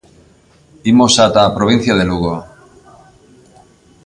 Imos ata a provincia de Lugo.